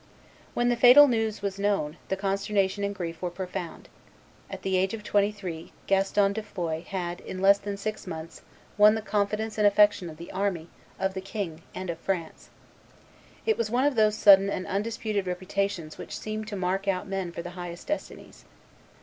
When the fatal news was known, the consternation and grief were profound. At the age of twenty three Gaston de Foix had in less than six months won the confidence and affection of the army, of the king, and of France. It was one of those sudden and undisputed reputations which seem to mark out men for the highest destinies.